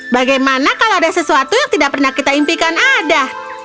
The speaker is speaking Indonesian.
bagaimana kalau ada sesuatu yang tidak pernah kita impikan ada